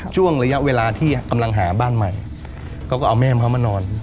ช่วงระยะเวลาที่กำลังหาบ้านใหม่เขาก็เอาแม่ของเขามานอน